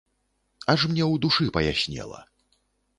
Аж мне ў душы паяснела.